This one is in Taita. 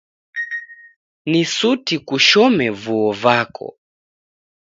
Ni suti kushome vuo vako.